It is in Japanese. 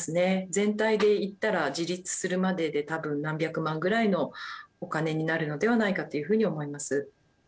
全体でいったら自立するまででたぶん何百万ぐらいのお金になるのではないかというふうに思います。